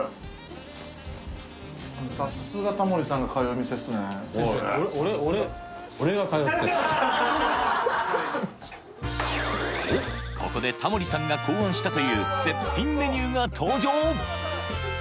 うまっちょっとそうっすねとここでタモリさんが考案したという絶品メニューが登場！